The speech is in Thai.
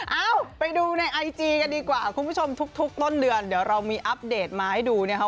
เอ้าไปดูในไอจีกันดีกว่าคุณผู้ชมทุกต้นเดือนเดี๋ยวเรามีอัปเดตมาให้ดูนะครับ